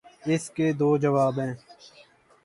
اس کے دو جواب ہیں۔